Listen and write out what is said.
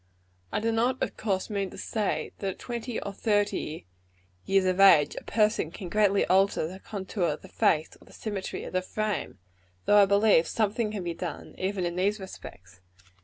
I do not, of course, mean to say, that at twenty or thirty years of age a person can greatly alter the contour of the face, or the symmetry of the frame; though I believe some thing can be done, even in these respects.